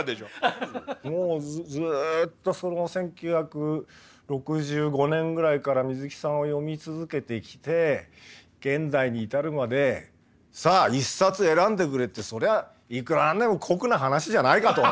もうずっと１９６５年ぐらいから水木さんを読み続けてきて現代に至るまでさあ１冊選んでくれってそれはいくらなんでも酷な話じゃないかと。